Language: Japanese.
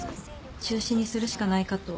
中止にするしかないかと。